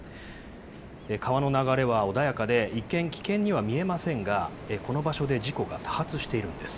川の流れは穏やかで、一見、危険には見えませんが、この場所で事故が多発しているんです。